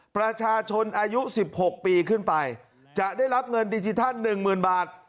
ประชาชนอายุ๑๖ปีขึ้นไปจะได้รับเงินดิจิทัล๑๐๐๐บาท